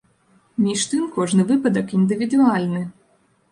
Між тым кожны выпадак індывідуальны.